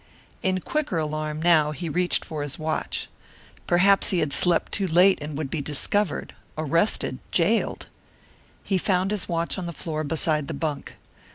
In quicker alarm, now, he reached for his watch. Perhaps he had slept too late and would be discovered arrested, jailed! He found his watch on the floor beside the bunk.